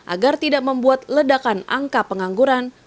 agar tidak membuat ledakan angka pengangguran